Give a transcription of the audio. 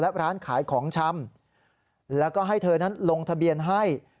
และร้านขายของชำแล้วก็ให้เธอนั้นลงทะเบียนให้